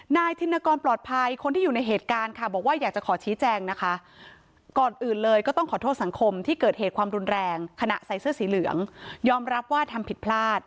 นายทิณกรปลอดภัยคนที่อยู่ในเหตุการณ์ค่ะบอกว่าอยากจะขอชี้แจงนะคะ